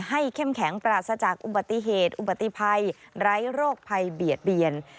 เข้มแข็งปราศจากอุบัติเหตุอุบัติภัยไร้โรคภัยเบียดเบียน